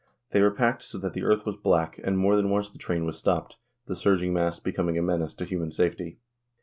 They were packed so that the earth was black, and more than once the train was stopped, the surging mass becoming a menace to human safety.